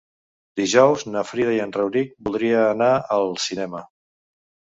Dijous na Frida i en Rauric voldria anar al cinema.